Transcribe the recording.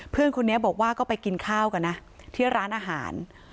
เพื่อนคนนี้บอกว่าก็ไปกินข้าวกันนะที่ร้านอาหาร